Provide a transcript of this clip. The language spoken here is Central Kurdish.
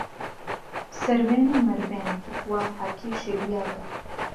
سهروێن و مهروێن، توخوا، پاکی شێویاگه